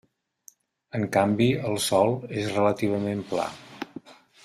En canvi, el sòl és relativament pla.